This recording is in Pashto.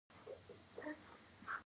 دا کېدای شي ارثي توپیرونه هم وي.